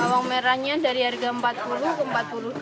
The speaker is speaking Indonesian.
bawang merahnya dari harga rp empat puluh ke rp empat puluh dua